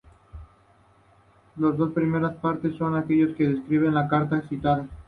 Las dos primeras partes son las que describe en la carta citada.